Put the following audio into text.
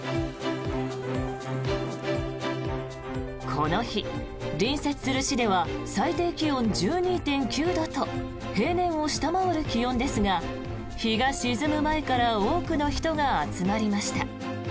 この日、隣接する市では最低気温１２．９度と平年を下回る気温ですが日が沈む前から多くの人が集まりました。